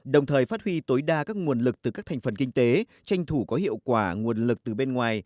đồng thời phát huy tối đa các nguồn lực từ các thành phần kinh tế tranh thủ có hiệu quả nguồn lực từ bên ngoài